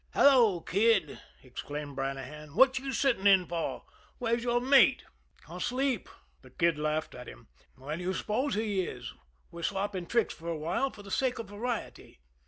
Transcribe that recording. "Hello, Kid!" exclaimed Brannahan. "What you sitting in for? Where's your mate?" "Asleep," the Kid laughed at him. "Where do you suppose he is! We're swopping tricks for a while for the sake of variety."